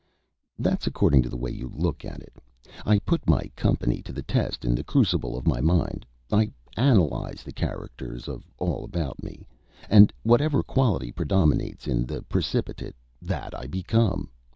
"That's according to the way you look at it. I put my company to the test in the crucible of my mind. I analyze the characters of all about me, and whatever quality predominates in the precipitate, that I become.